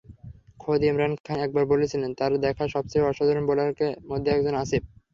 খোদ ইমরান খান একবার বলেছিলেন, তাঁর দেখা সবচেয়ে অসাধারণ বোলারদের একজন আসিফ।